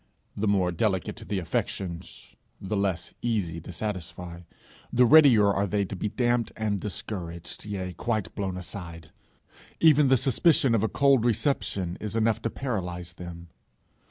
The more delicate the affections, the less easy to satisfy, the readier are they to be damped and discouraged, yea quite blown aside; even the suspicion of a cold reception is enough to paralyze them.